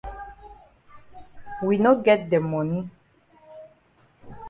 We no get de moni.